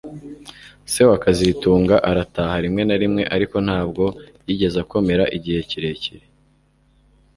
Se wa kazitunga arataha rimwe na rimwe ariko ntabwo yigeze akomera igihe kirekire